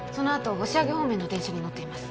押上方面の電車に乗っています